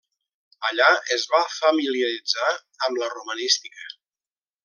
Allà es va familiaritzar amb la romanística.